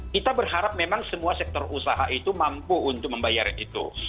kita berharap memang semua sektor usaha itu mampu untuk membayar itu